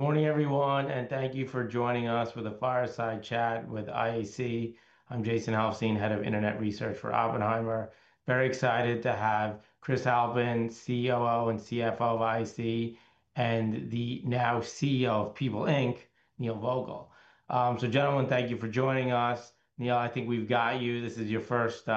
Good morning, everyone, and thank you for joining us for the Fireside Chat with IAC. I'm Jason Helfstein, Head of Internet Research for Oppenheimer. Very excited to have Chris Halpin, COO and CFO of IAC, and the now CEO of People Inc, Neil Vogel. Gentlemen, thank you for joining us. Neil, I think we've got you. This is your first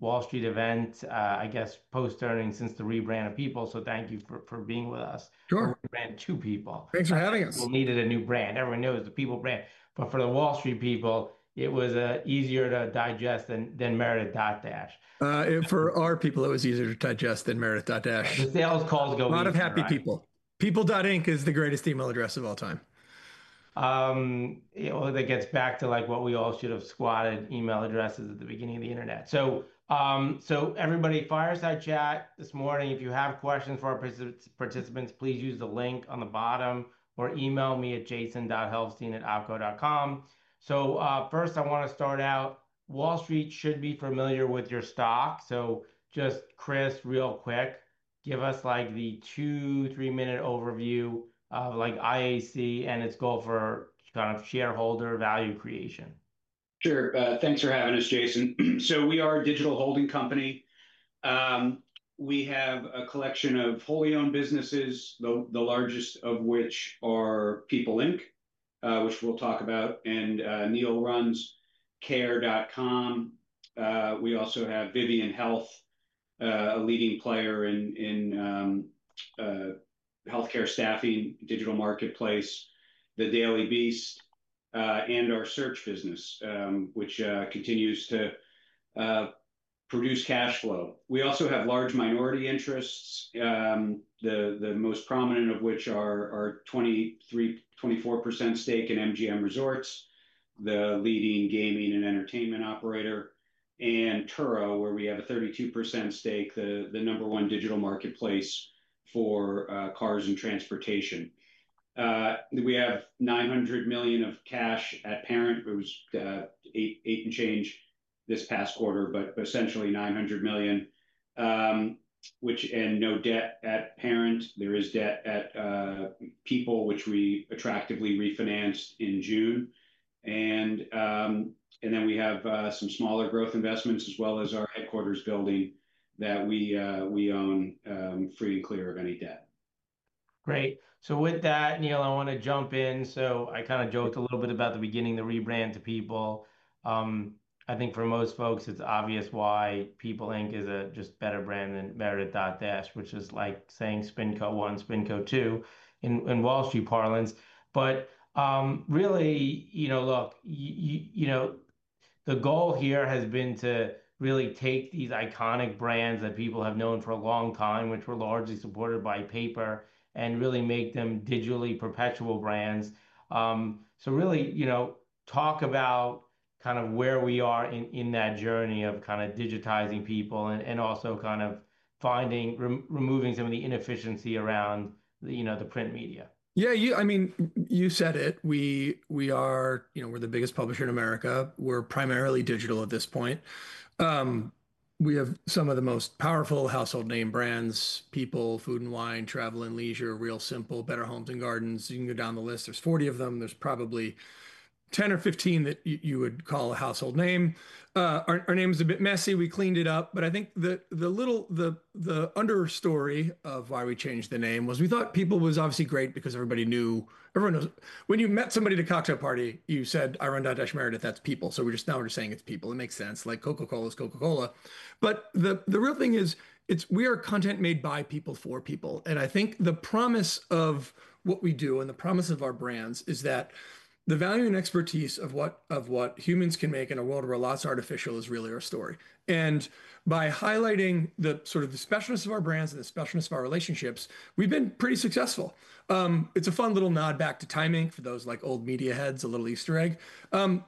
Wall Street event, I guess, post-earnings since the rebrand of People. Thank you for being with us. Sure. Rebranded to People. Thanks for having us. We needed a new brand. Everyone knows the People brand. For the Wall Street people, it was easier to digest than Dotdash Meredith. For our people, it was easier to digest than Dotdash Meredith. Sales calls go to the people. A lot of happy people. People Inc is the greatest email address of all time. That gets back to what we all should have squatted email addresses at the beginning of the internet. Everybody, Fireside Chat this morning. If you have questions for our participants, please use the link on the bottom or email me at jason.helfstein@opco.com. First, I want to start out. Wall Street should be familiar with your stock. Chris, real quick, give us like the 2, 3-minute overview of IAC and its goal for shareholder value creation. Sure. Thanks for having us, Jason. We are a digital holding company. We have a collection of wholly owned businesses, the largest of which are People Inc, which we'll talk about. Neil runs Care.com. We also have Vivian Health, a leading player in healthcare staffing, digital marketplace, The Daily Beast, and our search business, which continues to produce cash flow. We also have large minority interests, the most prominent of which are a 23%, 24% stake in MGM Resorts, the leading gaming and entertainment operator, and Turo, where we have a 32% stake, the number one digital marketplace for cars and transportation. We have $900 million of cash at parent. It was $800 million and change this past quarter, but essentially $900 million, and no debt at parent. There is debt at People, which we attractively refinanced in June. We have some smaller growth investments, as well as our headquarters building that we own free and clear of any debt. Great. With that, Neil, I want to jump in. I kind of joked a little bit about the beginning of the rebrand to People. I think for most folks, it's obvious why People Inc is just a better brand than Dotdash Meredith, which is like saying SpinCo 1, SpinCo 2 in Wall Street parlance. Really, the goal here has been to take these iconic brands that people have known for a long time, which were largely supported by paper, and make them digitally-perpetual brands. Really, talk about where we are in that journey of digitizing People and also finding, removing some of the inefficiency around the print media. Yeah, I mean, you said it. We are, you know, we're the biggest publisher in America. We're primarily digital at this point. We have some of the most powerful household name brands: People, Food & Wine, Travel + Leisure, Real Simple, Better Homes & Gardens. You can go down the list. There's 40 of them. There's probably 10 or 15 that you would call a household name. Our name is a bit messy. We cleaned it up. I think the little, the understory of why we changed the name was we thought People was obviously great because everybody knew, everyone knows, when you met somebody at a cocktail party, you said, "I run Dotdash Meredith, that's People." Now we're just saying it's People. It makes sense. Like Coca-Cola is Coca-Cola. The real thing is, we are content made by people for people. I think the promise of what we do and the promise of our brands is that the value and expertise of what humans can make in a world where a lot's artificial is really our story. By highlighting the sort of the specialness of our brands and the specialness of our relationships, we've been pretty successful. It's a fun little nod back to timing for those like old media heads, a little Easter egg. In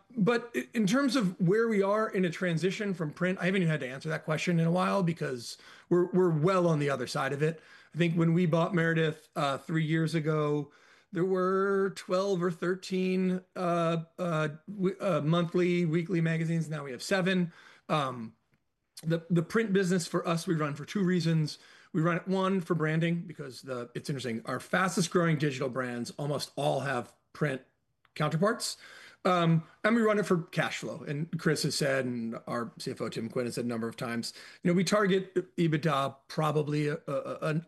terms of where we are in a transition from print, I haven't even had to answer that question in a while because we're well on the other side of it. I think when we bought Meredith 3 years ago, there were 12 or 13 monthly, weekly magazines. Now we have 7. The print business for us, we run for two reasons. We run it, one, for branding because it's interesting. Our fastest growing digital brands almost all have print counterparts. We run it for cash flow. Chris has said, and our CFO, Tim Quinn, has said a number of times, you know, we target EBITDA probably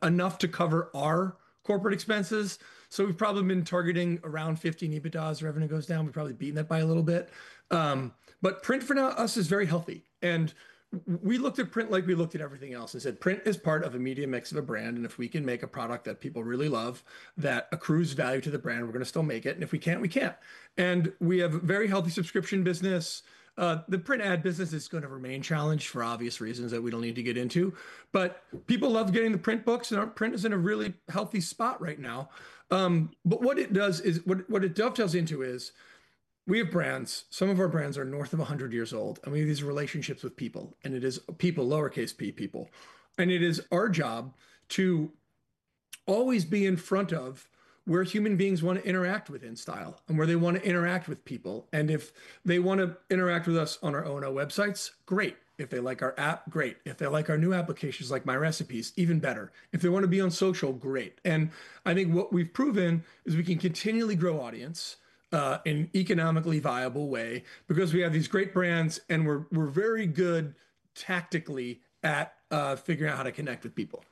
enough to cover our corporate expenses. We've probably been targeting around $15 million EBITDA as revenue goes down. We've probably beaten it by a little bit. Print for us is very healthy. We looked at print like we looked at everything else. We said print is part of a media mix of a brand. If we can make a product that people really love that accrues value to the brand, we're going to still make it. If we can't, we can't. We have a very healthy subscription business. The print ad business is going to remain challenged for obvious reasons that we don't need to get into. People love getting the print books. Our print is in a really healthy spot right now. What it dovetails into is, we have brands. Some of our brands are north of 100 years old. We have these relationships with people, and it is people, lowercase p, people. It is our job to always be in front of where human beings want to interact with in style and where they want to interact with people. If they want to interact with us on our own websites, great. If they like our app, great. If they like our new applications like MyRecipes, even better. If they want to be on social, great. I think what we've proven is we can continually grow audience in an economically viable way because we have these great brands. We're very good tactically at figuring out how to connect with people.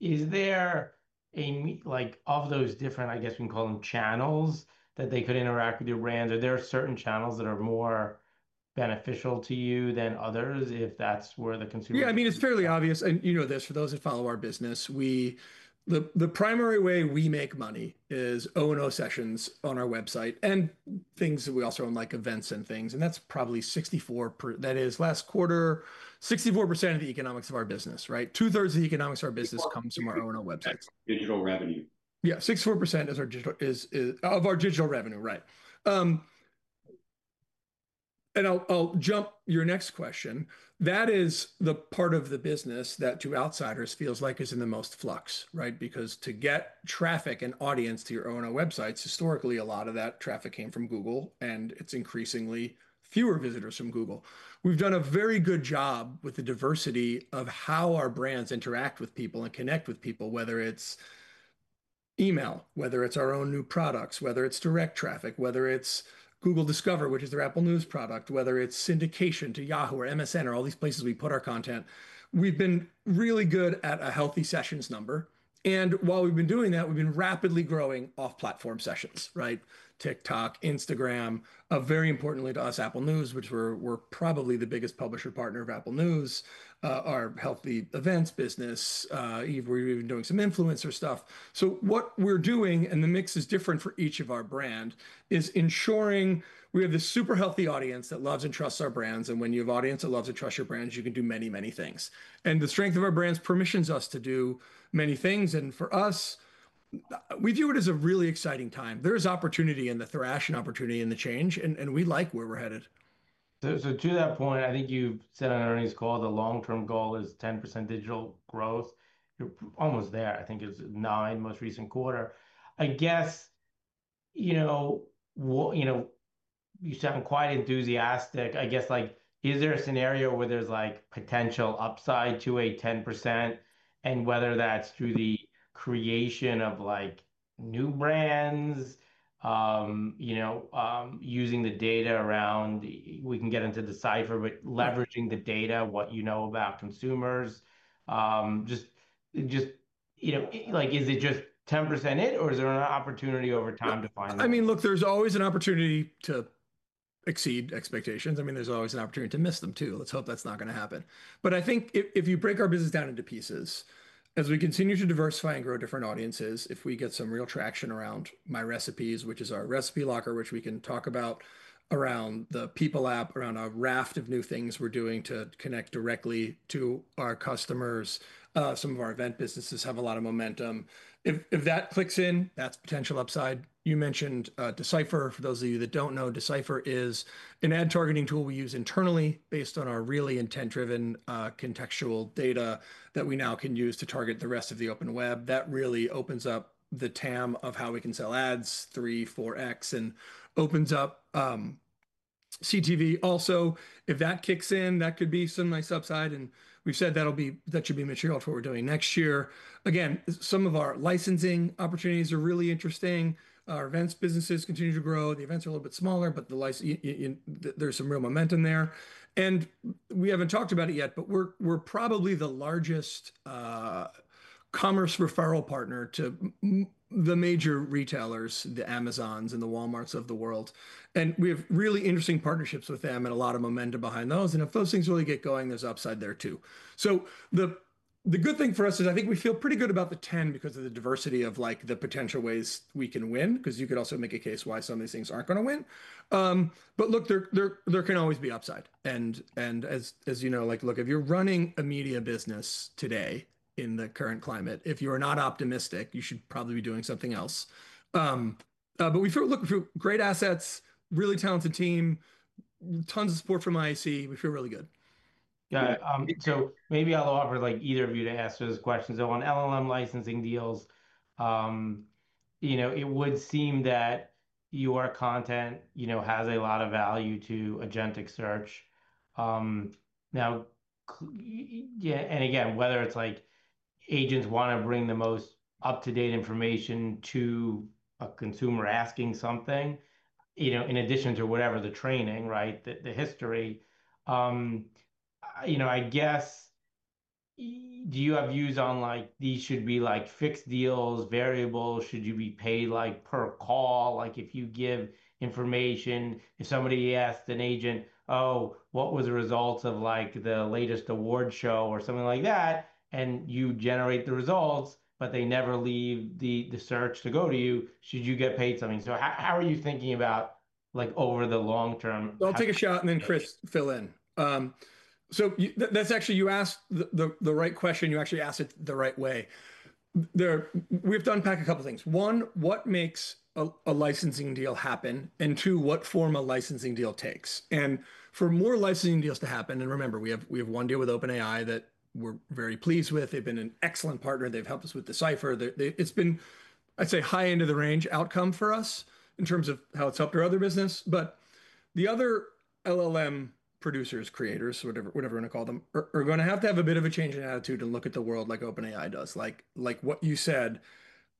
Is there a, like, of those different, I guess we can call them channels that they could interact with your brand? Are there certain channels that are more beneficial to you than others if that's where the consumer? Yeah, I mean, it's fairly obvious. You know this, for those that follow our business, the primary way we make money is O&O sessions on our website and things that we also run like events and things. That's probably 64%. That is last quarter, 64% of the economics of our business, right? Two-thirds of the economics of our business comes from our O&O websites. Digital revenue. Yeah, 64% of our digital revenue, right. I'll jump to your next question. That is the part of the business that to outsiders feels like it's in the most flux, right? Because to get traffic and audience to your O&O websites, historically, a lot of that traffic came from Google. It's increasingly fewer visitors from Google. We've done a very good job with the diversity of how our brands interact with people and connect with people, whether it's email, whether it's our own new products, whether it's direct traffic, whether it's Google Discover, which is their Apple News product, whether it's syndication to Yahoo or MSN or all these places we put our content. We've been really good at a healthy sessions number. While we've been doing that, we've been rapidly growing off-platform sessions, right? TikTok, Instagram, very importantly to us, Apple News, which we're probably the biggest publisher partner of Apple News, our healthy events business. We're even doing some influencer stuff. What we're doing, and the mix is different for each of our brands, is ensuring we have this super healthy audience that loves and trusts our brands. When you have audience that loves and trusts your brands, you can do many, many things. The strength of our brands permissions us to do many things. For us, we view it as a really exciting time. There is opportunity in the thrash and opportunity in the change. We like where we're headed. To that point, I think you said earlier this call, the long-term goal is 10% digital growth. You're almost there. I think it's 9% most recent quarter. I guess, you know, you sound quite enthusiastic. I guess, like, is there a scenario where there's potential upside to a 10%, and whether that's through the creation of new brands, you know, using the data around, we can get into D/Cipher, but leveraging the data, what you know about consumers. Just, you know, like, is it just 10%, or is there an opportunity over time to find that? I mean, look, there's always an opportunity to exceed expectations. There's always an opportunity to miss them, too. Let's hope that's not going to happen. I think if you break our business down into pieces, as we continue to diversify and grow different audiences, if we get some real traction around MyRecipes, which is our recipe locker, which we can talk about, around the People app, around a raft of new things we're doing to connect directly to our customers, some of our event businesses have a lot of momentum. If that clicks in, that's potential upside. You mentioned D/Cipher. For those of you that don't know, D/Cipher is an ad targeting tool we use internally based on our really intent-driven contextual data that we now can use to target the rest of the open web. That really opens up the TAM of how we can sell ads 3x, 4x and opens up CTV. Also, if that kicks in, that could be some nice upside. We've said that'll be, that should be material to what we're doing next year. Some of our licensing opportunities are really interesting. Our events businesses continue to grow. The events are a little bit smaller, but there's some real momentum there. We haven't talked about it yet, but we're probably the largest commerce referral partner to the major retailers, the Amazons and the Walmarts of the world. We have really interesting partnerships with them and a lot of momentum behind those. If those things really get going, there's upside there, too. The good thing for us is I think we feel pretty good about the TAM because of the diversity of the potential ways we can win, because you could also make a case why some of these things aren't going to win. Look, there can always be upside. As you know, if you're running a media business today in the current climate, if you are not optimistic, you should probably be doing something else. We feel, look, we feel great assets, really talented team, tons of support from IAC. We feel really good. Got it. Maybe I'll offer either of you to answer those questions. On LLM licensing deals, it would seem that your content has a lot of value to agentic search. Now, whether it's agents want to bring the most up-to-date information to a consumer asking something, in addition to whatever the training, the history, do you have views on like these should be fixed deals, variables? Should you be paid per call? If you give information, if somebody asked an agent, oh, what were the results of the latest award show or something like that, and you generate the results, but they never leave the search to go to you, should you get paid something? How are you thinking about that over the long term? I'll take a shot and then Chris, fill in. That's actually, you asked the right question. You actually asked it the right way. We have to unpack a couple of things. One, what makes a licensing deal happen? Two, what form a licensing deal takes? For more licensing deals to happen, and remember, we have one deal with OpenAI that we're very pleased with. They've been an excellent partner. They've helped us with D/Cipher. It's been, I'd say, high-end of the range outcome for us in terms of how it's helped our other business. The other LLM producers, creators, whatever you want to call them, are going to have to have a bit of a change in attitude and look at the world like OpenAI does. Like what you said,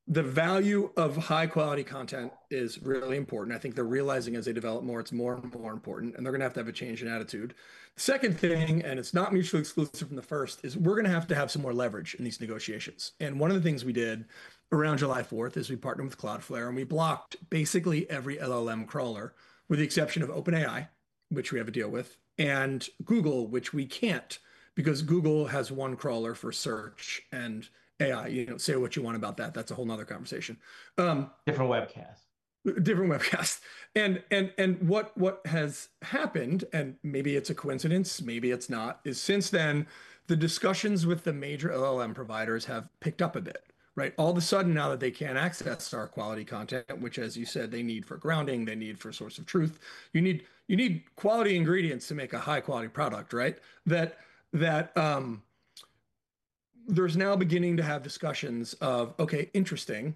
the value of high-quality content is really important. I think they're realizing as they develop more, it's more and more important. They're going to have to have a change in attitude. The second thing, and it's not mutually exclusive from the first, is we're going to have to have some more leverage in these negotiations. One of the things we did around July 4th is we partnered with Cloudflare and we blocked basically every LLM crawler, with the exception of OpenAI, which we have a deal with, and Google, which we can't because Google has one crawler for search and AI. You can say what you want about that. That's a whole other conversation. Different webcast. Different webcast. What has happened, and maybe it's a coincidence, maybe it's not, is since then, the discussions with the major LLM providers have picked up a bit, right? All of a sudden, now that they can access our quality content, which, as you said, they need for grounding, they need for a source of truth. You need quality ingredients to make a high-quality product, right? There's now beginning to have discussions of, ok, interesting,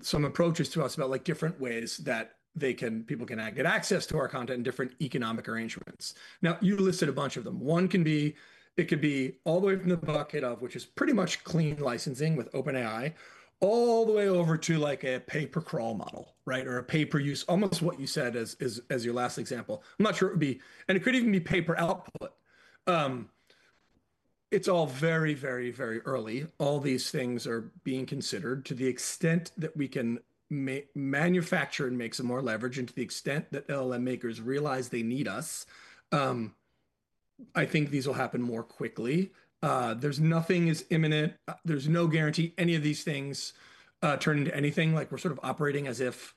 some approaches to us about different ways that people can get access to our content in different economic arrangements. You listed a bunch of them. One can be, it could be all the way from the bucket of, which is pretty much clean licensing with OpenAI, all the way over to a pay-per-crawl model, right? Or a pay-per-use, almost what you said as your last example. I'm not sure it would be, and it could even be pay-per-output. It's all very, very, very early. All these things are being considered to the extent that we can manufacture and make some more leverage and to the extent that LLM makers realize they need us. I think these will happen more quickly. There's nothing imminent. There's no guarantee any of these things turn into anything. We're sort of operating as if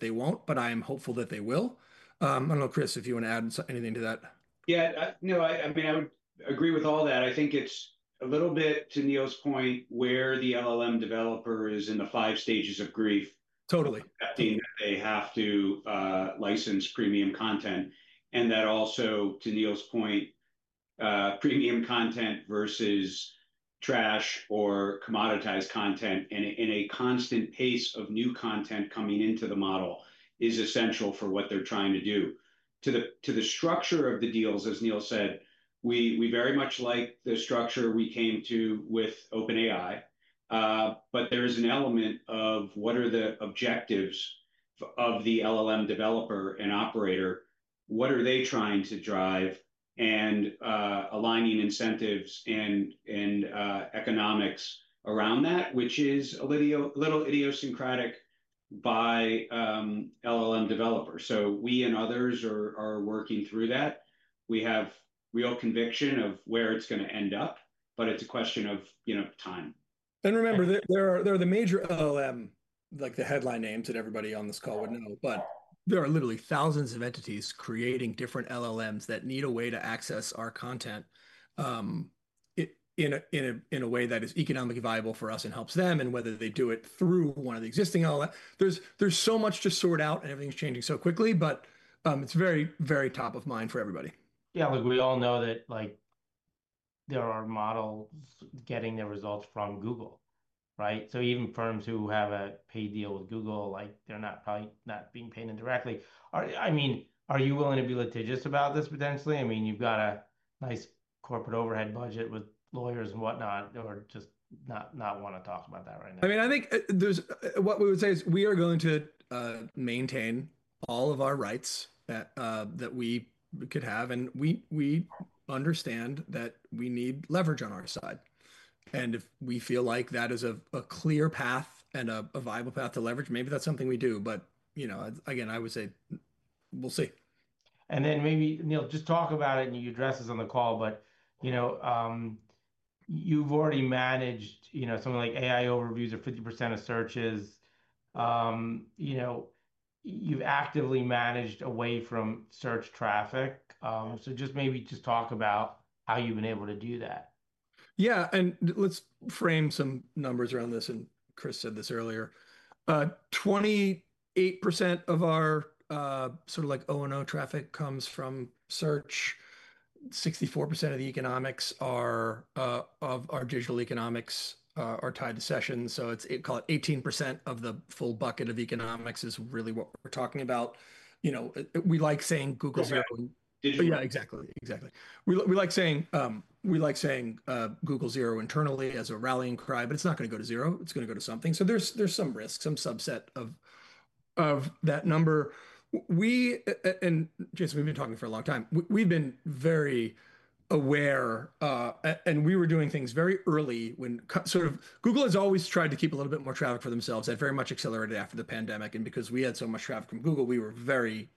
they won't, but I am hopeful that they will. I don't know, Chris, if you want to add anything to that. Yeah, no, I mean, I agree with all that. I think it's a little bit to Neil's point where the LLM developer is in the five stages of grief. Totally. Seeing that they have to license premium content, and that also, to Neil's point, premium content versus trash or commoditized content, and a constant pace of new content coming into the model is essential for what they're trying to do. To the structure of the deals, as Neil said, we very much like the structure we came to with OpenAI. There is an element of what are the objectives of the LLM developer and operator, what are they trying to drive, and aligning incentives and economics around that, which is a little idiosyncratic by LLM developers. We and others are working through that. We have real conviction of where it's going to end up. It's a question of time. Remember, there are the major LLM, like the headline names that everybody on this call would know. There are literally thousands of entities creating different LLMs that need a way to access our content in a way that is economically viable for us and helps them. Whether they do it through one of the existing LLMs, there is so much to sort out. Everything's changing so quickly. It is very, very top of mind for everybody. Yeah, look, we all know that there are models getting their results from Google, right? Even firms who have a paid deal with Google, like they're probably not being paid indirectly. I mean, are you willing to be litigious about this potentially? I mean, you've got a nice corporate overhead budget with lawyers and whatnot, or just not want to talk about that right now. I think what we would say is we are going to maintain all of our rights that we could have. We understand that we need leverage on our side. If we feel like that is a clear path and a viable path to leverage, maybe that's something we do. Again, I would say we'll see. Neil, just talk about it. You address this on the call. You've already managed something like AI Overviews of 50% of searches. You've actively managed away from search traffic. Maybe just talk about how you've been able to do that. Yeah, and let's frame some numbers around this. Chris said this earlier. 28% of our sort of like O&O traffic comes from search. 64% of the economics of our digital economics are tied to sessions. It's called 18% of the full bucket of economics is really what we're talking about. You know, we like saying Google's zero. Yeah, exactly, exactly. We like saying Google's zero internally as a rallying cry. It's not going to go to zero. It's going to go to something. There's some risk, some subset of that number. Jason, we've been talking for a long time. We've been very aware. We were doing things very early when sort of Google has always tried to keep a little bit more traffic for themselves. They had very much accelerated after the pandemic. Because we had so much traffic from Google, we were very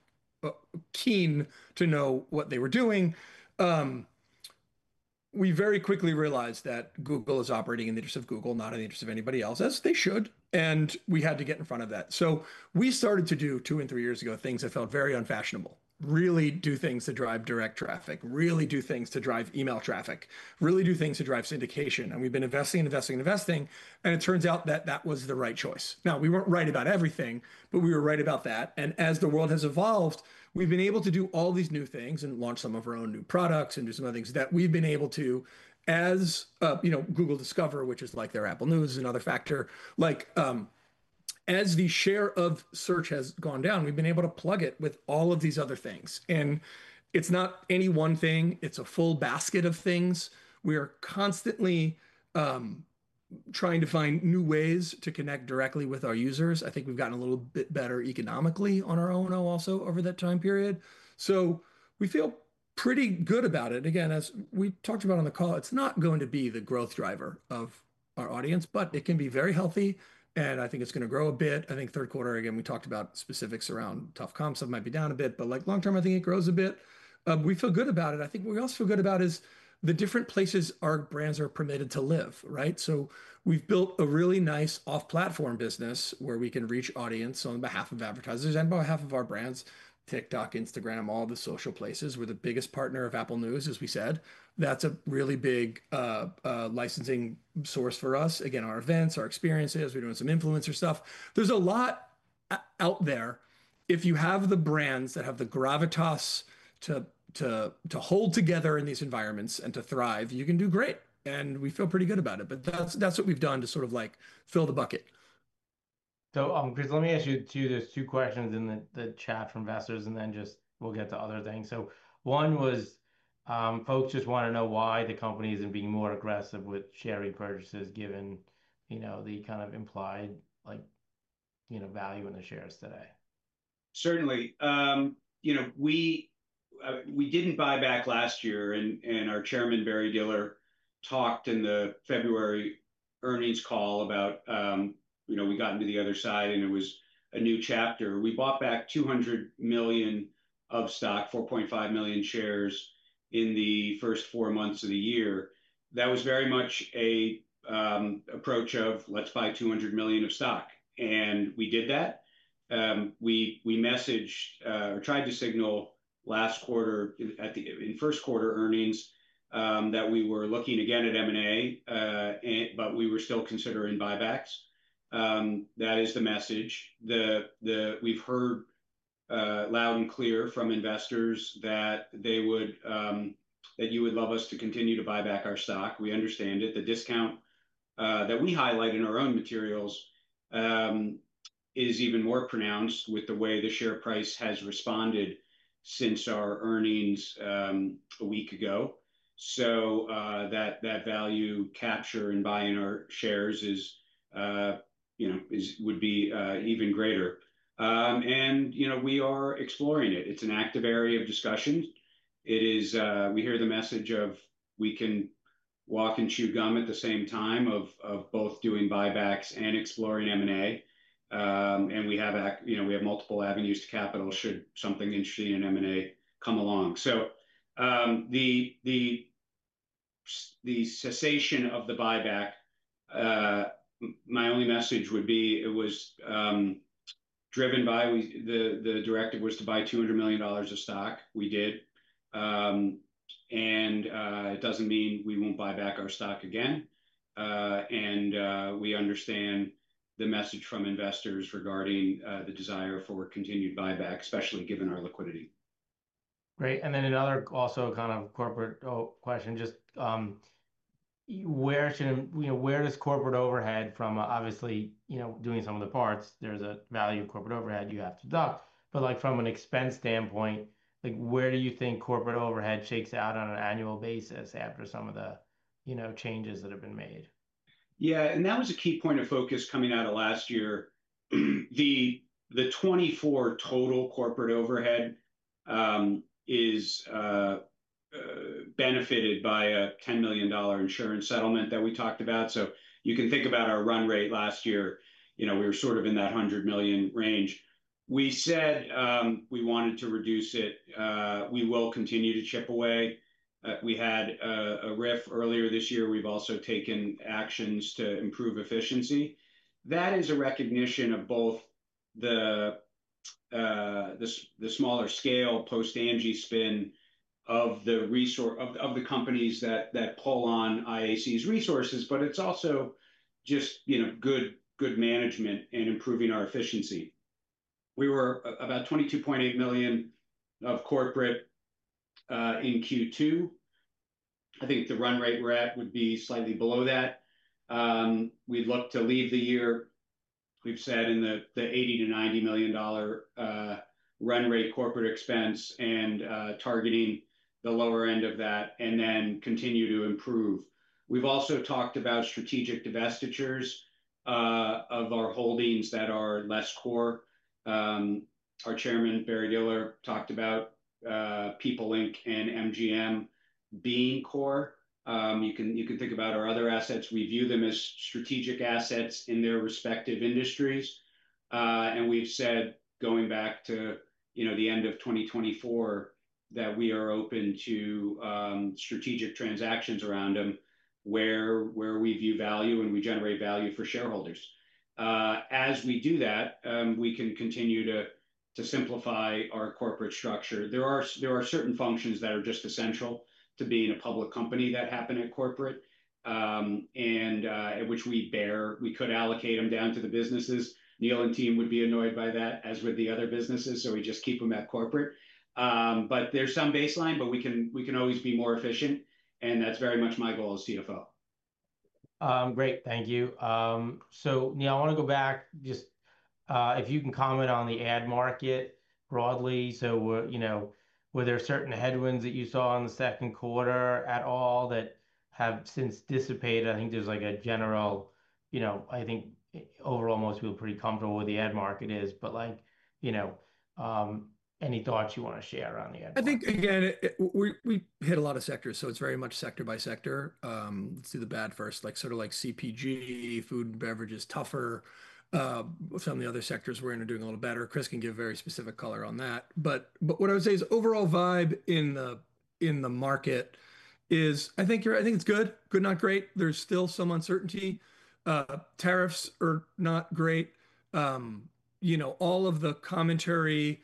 keen to know what they were doing. We very quickly realized that Google is operating in the interest of Google, not in the interest of anybody else, as they should. We had to get in front of that. We started to do 2 and 3 years ago things that felt very unfashionable, really do things to drive direct traffic, really do things to drive email traffic, really do things to drive syndication. We've been investing and investing and investing. It turns out that that was the right choice. We weren't right about everything, but we were right about that. As the world has evolved, we've been able to do all these new things and launch some of our own new products and do some other things that we've been able to, as Google Discover, which is like their Apple News is another factor. Like, as the share of search has gone down, we've been able to plug it with all of these other things. It's not any one thing. It's a full basket of things. We are constantly trying to find new ways to connect directly with our users. I think we've gotten a little bit better economically on our O&O also over that time period. We feel pretty good about it. Again, as we talked about on the call, it's not going to be the growth driver of our audience. It can be very healthy. I think it's going to grow a bit. I think third quarter, again, we talked about specifics around tough comps. Some might be down a bit. Like long term, I think it grows a bit. We feel good about it. I think what we also feel good about is the different places our brands are permitted to live, right? We've built a really nice off-platform business where we can reach audience on behalf of advertisers and on behalf of our brands, TikTok, Instagram, all the social places. We're the biggest partner of Apple News, as we said. That's a really big licensing source for us. Again, our events, our experiences, we're doing some influencer stuff. There's a lot out there. If you have the brands that have the gravitas to hold together in these environments and to thrive, you can do great. We feel pretty good about it. That's what we've done to sort of like fill the bucket. Chris, let me ask you to do those two questions in the chat for investors. One was folks just want to know why the company isn't being more aggressive with share purchases, given the kind of implied value in the shares today. Certainly. We didn't buy back last year. Our Chairman, Barry Diller, talked in the February earnings call about, you know, we got into the other side. It was a new chapter. We bought back $200 million of stock, 4.5 million shares in the first 4 months of the year. That was very much an approach of let's buy $200 million of stock. We did that. We messaged or tried to signal last quarter, I think in first quarter earnings, that we were looking again at M&A. We were still considering buybacks. That is the message. We've heard loud and clear from investors that they would, that you would love us to continue to buy back our stock. We understand it. The discount that we highlight in our own materials is even more pronounced with the way the share price has responded since our earnings a week ago. That value capture in buying our shares would be even greater. We are exploring it. It's an active area of discussion. We hear the message of we can walk and chew gum at the same time of both doing buybacks and exploring M&A. We have multiple avenues to capital should something interesting in M&A come along. The cessation of the buyback, my only message would be it was driven by the directive was to buy $200 million of stock. We did. It doesn't mean we won't buy back our stock again. We understand the message from investors regarding the desire for continued buyback, especially given our liquidity. Great. Another also kind of corporate question. Where does corporate overhead from, obviously, doing some of the parts, there's a value of corporate overhead you have to deduct. From an expense standpoint, where do you think corporate overhead shakes out on an annual basis after some of the changes that have been made? Yeah, and that was a key point of focus coming out of last year. The 2024 total corporate overhead is benefited by a $10 million insurance settlement that we talked about. You can think about our run rate last year. You know, we were sort of in that $100 million range. We said we wanted to reduce it. We will continue to chip away. We had a RIF earlier this year. We've also taken actions to improve efficiency. That is a recognition of both the smaller-scale post-Angi spin of the companies that pull on IAC's resources. It is also just good management and improving our efficiency. We were about $22.8 million of corporate in Q2. I think the run rate we're at would be slightly below that. We look to leave the year, we've said, in the $80-$90 million run rate corporate expense and targeting the lower end of that and then continue to improve. We've also talked about strategic divestitures of our holdings that are less core. Our Chairman, Barry Diller, talked about People Inc and MGM being core. You can think about our other assets. We view them as strategic assets in their respective industries. We've said, going back to the end of 2024, that we are open to strategic transactions around them where we view value and we generate value for shareholders. As we do that, we can continue to simplify our corporate structure. There are certain functions that are just essential to being a public company that happen at corporate and which we bear. We could allocate them down to the businesses. Neil and team would be annoyed by that, as would the other businesses. We just keep them at corporate. There is some baseline. We can always be more efficient. That is very much my goal as CFO. Great. Thank you. Neil, I want to go back just if you can comment on the ad market broadly. Were there certain headwinds that you saw in the second quarter at all that have since dissipated? I think there's like a general, you know, I think overall most people are pretty comfortable with the ad market is. Any thoughts you want to share on the ad market? I think, again, we hit a lot of sectors. It's very much sector-by-sector. Let's do the bad first. Like sort of like CPG, food and beverage is tougher. Some of the other sectors we're in are doing a little better. Chris can give very specific color on that. What I would say is overall vibe in the market is I think it's good, good, not great. There's still some uncertainty. Tariffs are not great. All of the commentary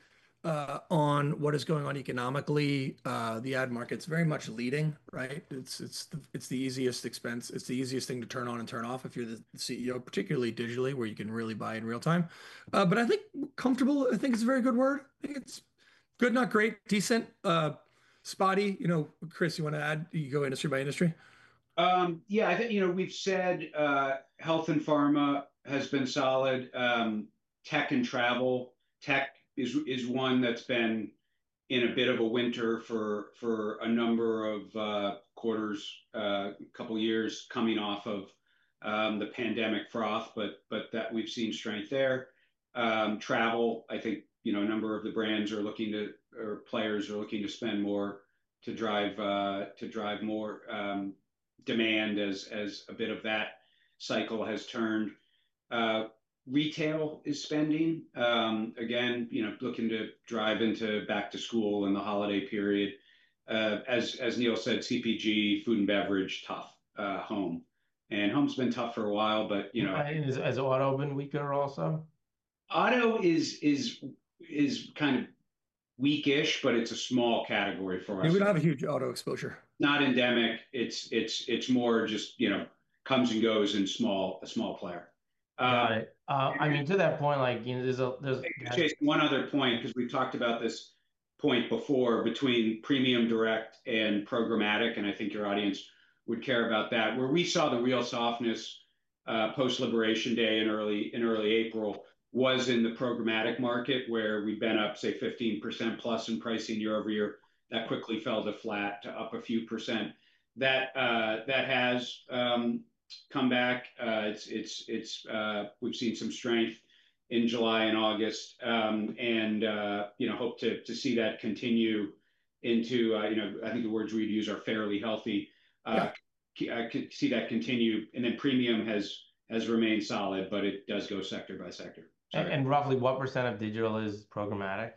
on what is going on economically, the ad market's very much leading, right? It's the easiest expense. It's the easiest thing to turn on and turn off if you're the CEO, particularly digitally, where you can really buy in real time. I think comfortable, I think is a very good word. I think it's good, not great, decent, spotty. Chris, you want to add, you go industry-by-industry? Yeah, I think, you know, we've said health and pharma has been solid. Tech and travel, tech is one that's been in a bit of a winter for a number of quarters, a couple of years coming off of the pandemic froth. We've seen strength there. Travel, I think, you know, a number of the brands are looking to, or players are looking to spend more to drive more demand as a bit of that cycle has turned. Retail is spending. Again, you know, looking to drive into back to school in the holiday period. As Neil said, CPG, food and beverage, tough. Home. Home's been tough for a while, but you know. Has auto been weaker also? Auto is kind of weak-ish, but it's a small category for us. We don't have a huge auto exposure. Not endemic. It's more just, you know, comes and goes and a small player. I mean, to that point, you know, there's. Just one other point, because we talked about this point before between premium direct and programmatic. I think your audience would care about that. Where we saw the real softness post-Liberation Day in early April was in the programmatic market where we'd been up, say, 15%+ in pricing year-over-year. That quickly fell to flat to up a few percent. That has come back. We've seen some strength in July and August. You know, hope to see that continue into, you know, I think the words we'd use are fairly healthy. I can see that continue. Premium has remained solid, but it does go sector-by-sector. What percent of digital is programmatic?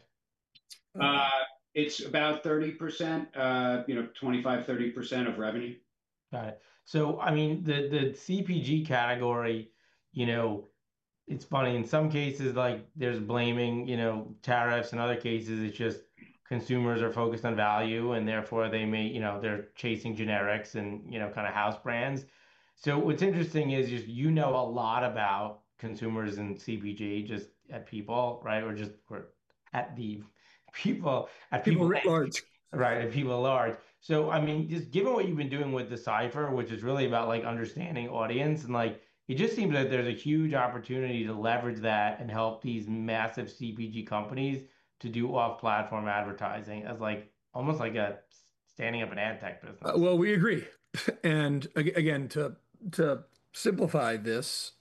It's about 30%, you know, 25%, 30% of revenue. Got it. The CPG category, you know, it's funny. In some cases, there's blaming, you know, tariffs. In other cases, it's just consumers are focused on value. Therefore, they may, you know, they're chasing generics and, you know, kind of house brands. What's interesting is just you know a lot about consumers and CPG just at People, right? Or just at the People. People at large. Right, at People at large. I mean, just given what you've been doing with D/Cipher, which is really about understanding audience, it just seems that there's a huge opportunity to leverage that and help these massive CPG companies to do off-platform advertising as almost like standing up an ad tech business. We agree. To simplify this,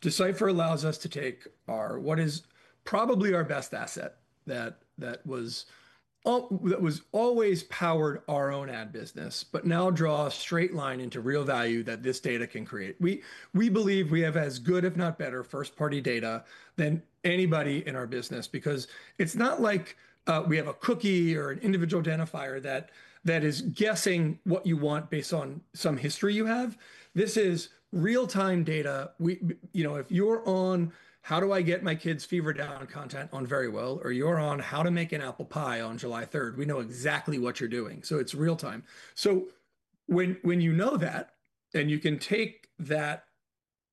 D/Cipher allows us to take our, what is probably our best asset that was always powering our own ad business, but now draw a straight line into real value that this data can create. We believe we have as good, if not better, first-party data than anybody in our business because it's not like we have a cookie or an individual identifier that is guessing what you want based on some history you have. This is real-time data. You know, if you're on how do I get my kids' fever down content on Verywell, or you're on how to make an apple pie on July 3rd, we know exactly what you're doing. It's real time. When you know that, and you can take that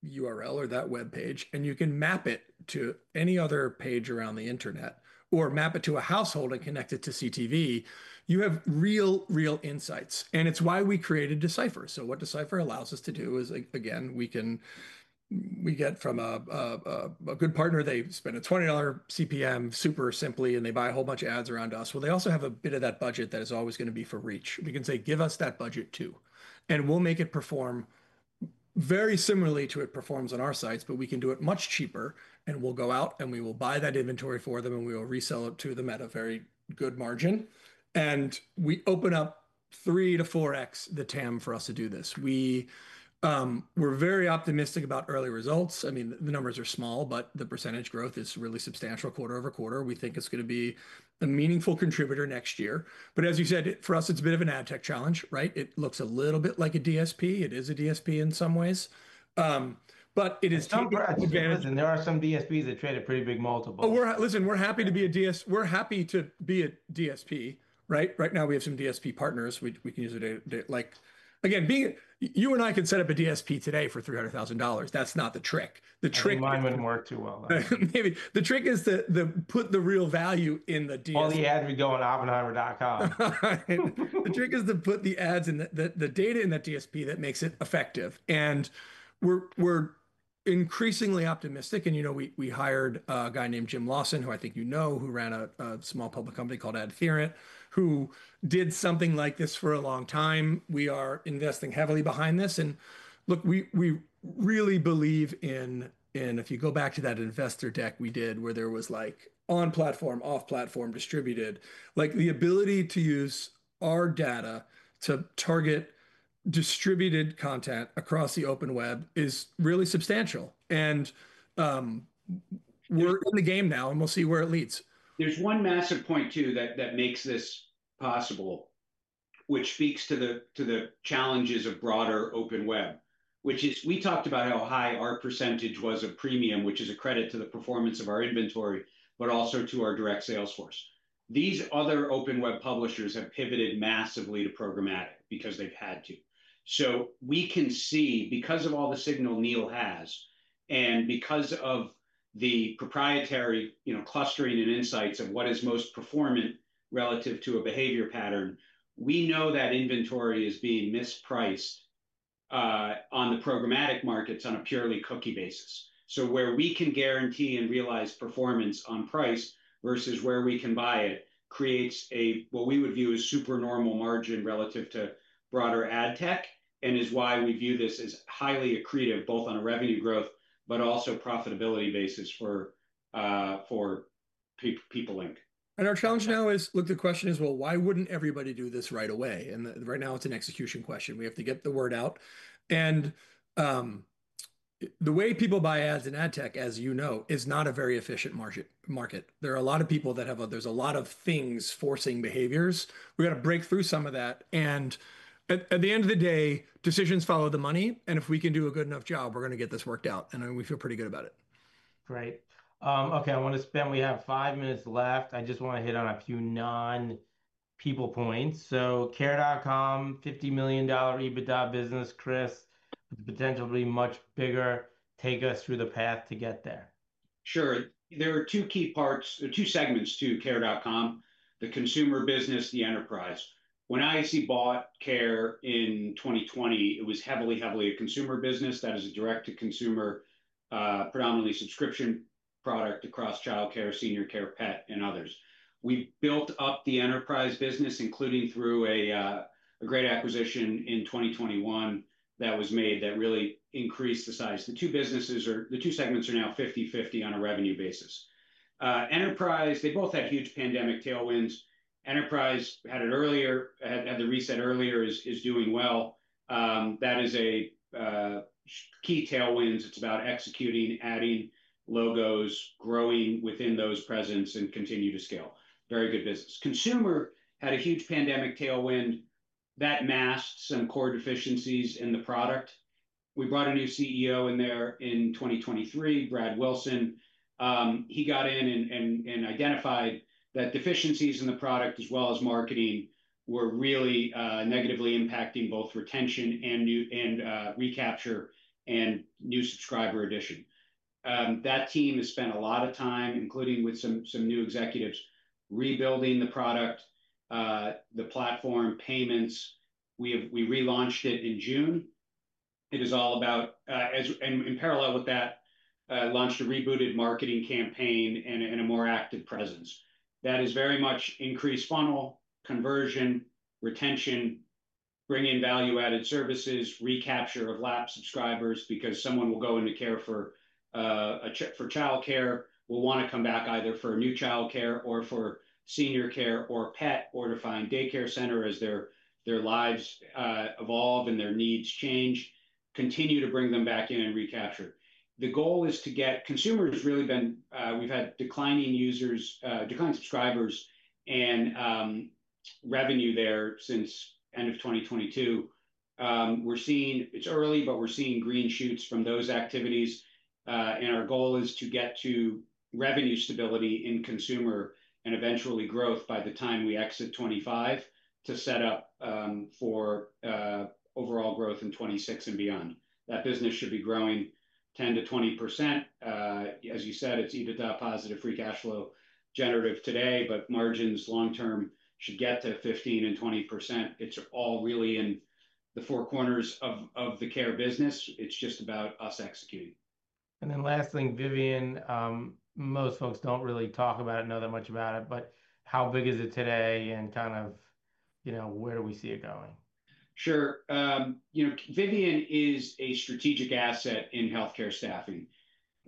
URL or that webpage, and you can map it to any other page around the internet, or map it to a household and connect it to CTV, you have real, real insights. It's why we created D/Cipher. What D/Cipher allows us to do is, again, we get from a good partner, they spend a $20 CPM super simply, and they buy a whole bunch of ads around us. They also have a bit of that budget that is always going to be for reach. We can say, give us that budget too. We'll make it perform very similarly to how it performs on our sites, but we can do it much cheaper. We'll go out, and we will buy that inventory for them, and we will resell it to them at a very good margin. We open up 3x-4x the TAM for us to do this. We're very optimistic about early results. The numbers are small, but the percentage growth is really substantial quarter-over-quarter. We think it's going to be a meaningful contributor next year. As you said, for us, it's a bit of an ad tech challenge, right? It looks a little bit like a DSP. It is a DSP in some ways. It is. Some breadth it gives. There are some DSPs that trade at a pretty big multiple. Listen, we're happy to be a DSP. Right now, we have some DSP partners. We can use it. Again, you and I could set up a DSP today for $300,000. That's not the trick. Mine wouldn't work too well. Maybe. The trick is to put the real value in the DSP. All the ads would go on oppenheimer.com. The trick is to put the ads and the data in that DSP that makes it effective. We're increasingly optimistic. We hired a guy named Jim Lawson, who I think you know, who ran a small public company called AdTheorent, who did something like this for a long time. We are investing heavily behind this. We really believe in, if you go back to that investor deck we did, where there was like on-platform, off-platform, distributed. The ability to use our data to target distributed content across the open web is really substantial. We're in the game now. We'll see where it leads. There's one massive point, too, that makes this possible, which speaks to the challenges of broader open web, which is we talked about how high our percentage was of premium, which is a credit to the performance of our inventory, but also to our direct sales force. These other open web publishers have pivoted massively to programmatic because they've had to. We can see, because of all the signal Neil has, and because of the proprietary clustering and insights of what is most performant relative to a behavior pattern, we know that inventory is being mispriced on the programmatic markets on a purely cookie basis. Where we can guarantee and realize performance on price versus where we can buy it creates what we would view as super normal margin relative to broader ad tech and is why we view this as highly accretive, both on a revenue growth, but also profitability basis for People Inc. Our challenge now is, look, the question is, why wouldn't everybody do this right away? Right now, it's an execution question. We have to get the word out. The way people buy ads in ad tech, as you know, is not a very efficient market. There are a lot of people that have, there's a lot of things forcing behaviors. We have to break through some of that. At the end of the day, decisions follow the money. If we can do a good enough job, we're going to get this worked out. We feel pretty good about it. Great. OK, I want to spend, we have five minutes left. I just want to hit on a few non-People points. Care.com, $50 million EBITDA business, Chris, potentially much bigger. Take us through the path to get there. Sure. There are two key parts, or two segments to Care.com, the consumer business, the enterprise. When IAC bought Care in 2020, it was heavily, heavily a consumer business. That is a direct-to-consumer, predominantly subscription product across childcare, senior care, pet, and others. We built up the enterprise business, including through a great acquisition in 2021 that was made that really increased the size. The two businesses or the two segments are now 50/50 on a revenue basis. Enterprise, they both had huge pandemic tailwinds. Enterprise had it earlier, had the reset earlier, is doing well. That is a key tailwind. It's about executing, adding logos, growing within those presence, and continue to scale. Very good business. Consumer had a huge pandemic tailwind that masked some core deficiencies in the product. We brought a new CEO in there in 2023, Brad Wilson. He got in and identified that deficiencies in the product, as well as marketing, were really negatively impacting both retention and recapture and new subscriber addition. That team has spent a lot of time, including with some new executives, rebuilding the product, the platform, payments. We relaunched it in June. It is all about, and in parallel with that, launched a rebooted marketing campaign and a more active presence. That is very much increased funnel, conversion, retention, bringing value-added services, recapture of lap subscribers because someone will go into care for childcare, will want to come back either for a new childcare or for senior care or pet or to find daycare center as their lives evolve and their needs change, continue to bring them back in and recapture. The goal is to get consumers really been, we've had declining users, declining subscribers, and revenue there since the end of 2022. We're seeing, it's early, but we're seeing green shoots from those activities. Our goal is to get to revenue stability in consumer and eventually growth by the time we exit 2025 to set up for overall growth in 2026 and beyond. That business should be growing 10% to 20%. As you said, it's EBITDA-positive, free cash flow generative today. Margins long term should get to 15% and 20%. It's all really in the four corners of the care business. It's just about us executing. The last thing, Vivian, most folks don't really talk about it, know that much about it. How big is it today, and kind of, you know, where do we see it going? Sure. Vivian Health is a strategic asset in healthcare staffing.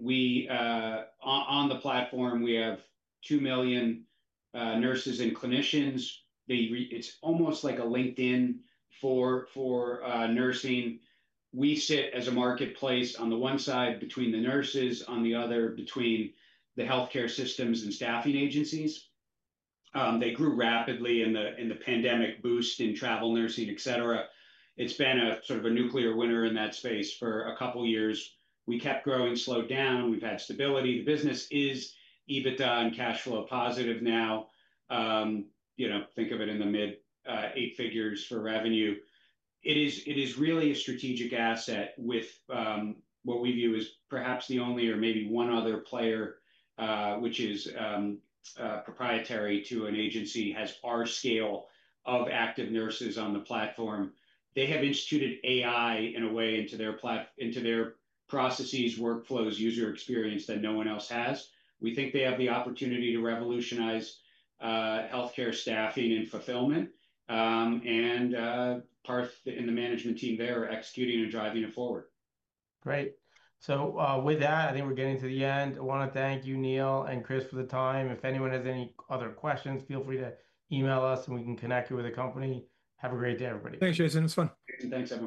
On the platform, we have 2 million nurses and clinicians. It's almost like a LinkedIn for nursing. We sit as a marketplace on the one side between the nurses, on the other between the healthcare systems and staffing agencies. They grew rapidly in the pandemic boost in travel nursing, et cetera. It's been a sort of a nuclear winner in that space for a couple of years. We kept growing, slowed down. We've had stability. The business is EBITDA and cash flow-positive now. Think of it in the mid-eight figures for revenue. It is really a strategic asset with what we view as perhaps the only or maybe one other player, which is proprietary to an agency, has our scale of active nurses on the platform. They have instituted AI in a way into their processes, workflows, user experience that no one else has. We think they have the opportunity to revolutionize healthcare staffing and fulfillment. The management team there are executing and driving it forward. Great. With that, I think we're getting to the end. I want to thank you, Neil and Chris, for the time. If anyone has any other questions, feel free to email us. We can connect you with the company. Have a great day, everybody. Thanks, Jason. It's fun. Thanks, Neil.